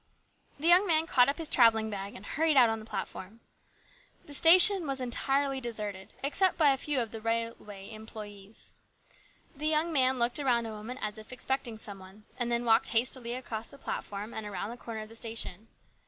'' The young man caught up his travelling bag and hurried out upon the platform. The station was entirely deserted, except by a few of the railway employes. The young man looked around a moment as if expecting some one, and then walked hastily across the platform and around the corner of the station.